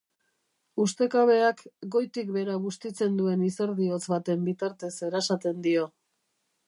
Ustekabeak goitik behera bustitzen duen izerdi hotz baten bitartez erasaten dio.